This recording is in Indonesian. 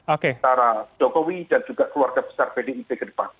antara jokowi dan juga keluarga besar pdip ke depan